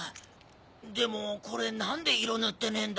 でもこれ何で色塗ってねえんだ？